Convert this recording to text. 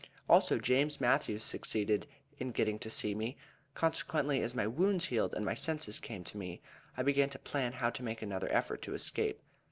Also James Matthews succeeded in getting to see me; consequently, as my wounds healed, and my senses came to me, I began to plan how to make another effort to escape.